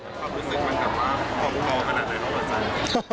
ความรู้สึกมันกลับมาความรู้มองขนาดไหนครับอาจารย์